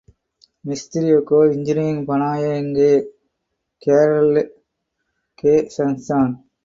मिस्त्रियों को इंजीनियर बनाएंगे केरल के संस्थान